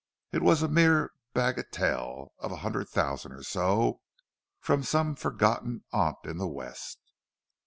It was a mere bagatelle of a hundred thousand or so, from some forgotten aunt in the West.